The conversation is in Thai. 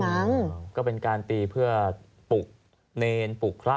ทำวัดพร้าทัศน์ก็เป็นการตีเพื่อปุกเนงปุกคละ